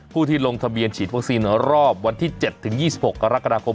ที่ลงทะเบียนฉีดวัคซีนรอบวันที่๗๒๖กรกฎาคม